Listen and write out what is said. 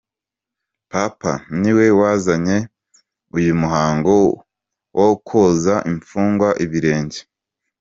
Papa niwe wazanye uyu muhango wo koza imfungwa ibirenge.